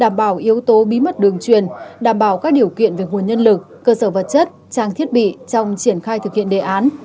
đảm bảo yếu tố bí mật đường truyền đảm bảo các điều kiện về nguồn nhân lực cơ sở vật chất trang thiết bị trong triển khai thực hiện đề án